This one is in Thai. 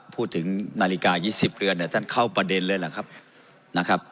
พูดถึงนาฬิกา๒๐เรือนเนี่ยท่านเข้าประเด็นเลยหรือครับนะครับ